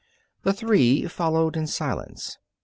The three followed in silence.